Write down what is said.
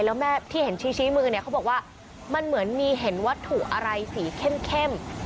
แล้วแม่ที่เห็นชี้มือเนี่ยเขาบอกว่ามันเหมือนมีเห็นวัตถุอะไรสีเข้ม